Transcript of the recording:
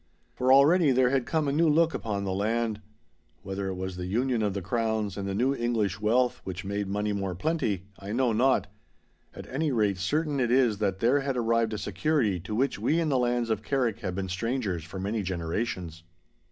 For already there had come a new look upon the land. Whether it was the union of the crowns and the new English wealth which made money more plenty, I know not, at any rate certain it is that there had arrived a security to which we in the lands of Carrick had been strangers for many generations.